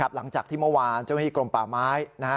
หลังจากที่เมื่อวานเจ้าหน้าที่กรมป่าไม้